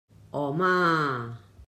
Home!